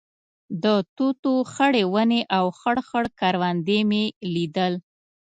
د توتو خړې ونې او خړ خړ کروندې مې لیدل.